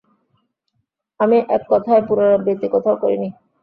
আমি এক কথায় পুরাবৃত্তি কোথাও করিনি।